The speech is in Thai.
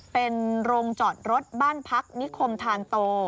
เป็นโรงจอดรถบ้านพักนิคมทานโต